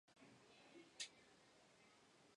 Esta obra fue muy admirada por los nobles florentinos.